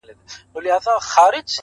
o زما په لاس كي هتكړۍ داخو دلې ويـنـمـه؛